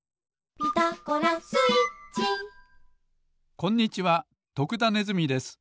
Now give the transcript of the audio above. こんにちは徳田ネズミです。